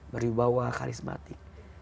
beri bawa karismatik